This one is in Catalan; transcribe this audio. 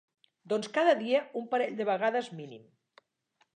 Doncs cada dia un parell de vegades mínim.